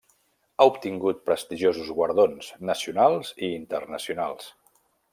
Ha obtingut prestigiosos guardons, nacionals i internacionals.